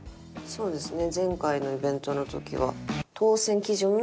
そうですね。